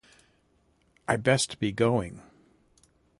I best be going.